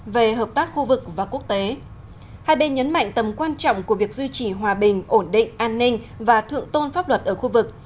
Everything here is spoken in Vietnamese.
về hợp tác khu vực và quốc tế hai bên nhấn mạnh tầm quan trọng của việc duy trì hòa bình ổn định an ninh và thượng tôn pháp luật ở khu vực